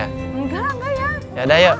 enggak enggak ya